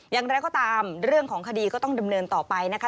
อย่างไรก็ตามเรื่องของคดีก็ต้องดำเนินต่อไปนะคะ